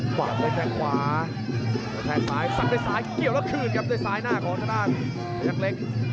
ขวางเลยแค่ควาแคลิก